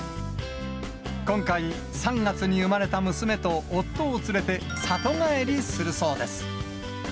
今回、３月に生まれた娘と夫を連れて里帰りするそうです。